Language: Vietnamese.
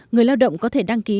người lao động có thể đăng ký